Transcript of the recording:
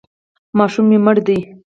ماشوم مې مړ دی.